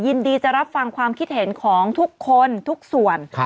ยินดีจะรับฟังความคิดเห็นของทุกคนทุกส่วน